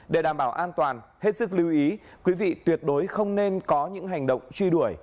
để đảm bảo an toàn hết sức lưu ý quý vị tuyệt đối không nên có những hành động truy đuổi